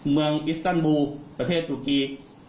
เมืองอิสตานบูลประเทศตุกรี